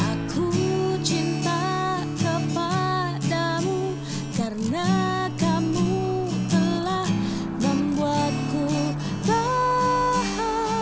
aku cinta kepadamu karena kamu telah membuatku bahagia